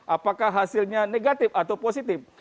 apakah hasilnya negatif atau positif